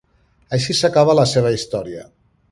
Així s'acaba la seva història.